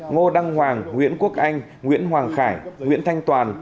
ngô đăng hoàng nguyễn quốc anh nguyễn hoàng khải nguyễn thanh toàn